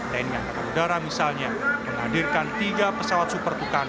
dan yang terhadap udara misalnya menghadirkan tiga pesawat super tukang